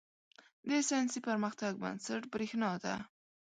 • د ساینسي پرمختګ بنسټ برېښنا ده.